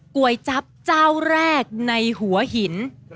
ก๋วยจั๊บเจ้าแรกในหัวหิน